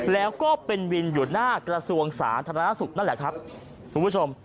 แล้วก็เป็นวินอยู่หน้ากระทรวงสาธารณสุขนั่นแหละครับคุณผู้ชม